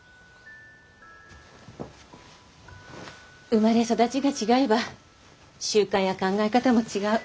生まれ育ちが違えば習慣や考え方も違う。